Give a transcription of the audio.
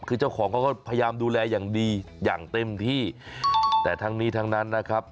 คือเจ้าของเขาก็พยายามดูแลอย่างดีอย่างเต็มที่แต่ทั้งนี้ทั้งนั้นนะครับ